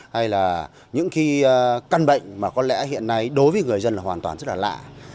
hay là những cái căn bệnh mà có lẽ hiện nay đối với người dân là hoàn toàn rất là lạ